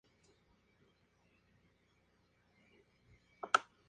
En los Juegos Paralímpicos de Invierno Macao no ha participado en ninguna edición.